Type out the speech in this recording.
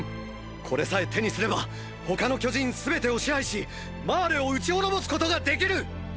これさえ手にすれば他の巨人すべてを支配しマーレを討ち滅ぼすことができる！！